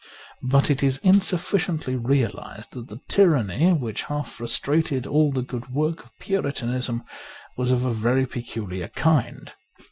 But it is insufficiently realized that the tyranny which half frustrated all the good work of Puritanism was of a very peculiar kind.